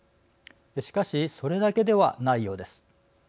しかしそれだけではないようです。